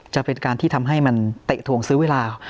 จะเป็นการที่ทำให้มันเตะถวงซื้อเวลา